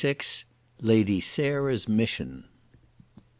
LADY SARAH'S MISSION.